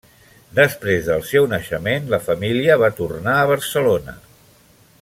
Després del seu naixement, la família va tornar a Barcelona.